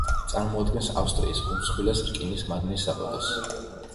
წარმოადგენს ავსტრიის უმსხვილეს რკინის მადნის საბადოს.